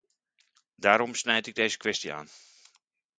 Daarom snijd ik deze kwestie aan.